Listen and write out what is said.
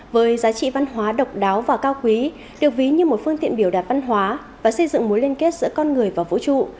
với giá trị văn hóa độc đáo và cao quý được ví như một phương tiện biểu đạt văn hóa và xây dựng mối liên kết giữa con người và vũ trụ